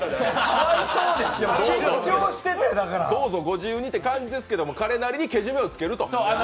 緊張してて、だから。どうぞご自由にという感じですけど、彼なりにけじめをつけると。